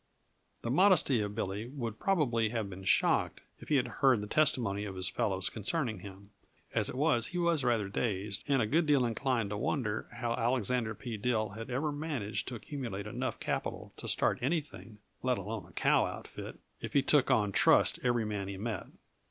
The modesty of Billy would probably have been shocked if he had heard the testimony of his fellows concerning him. As it was, he was rather dazed and a good deal inclined to wonder how Alexander P. Dill had ever managed to accumulate enough capital to start anything let alone a cow outfit if he took on trust every man he met.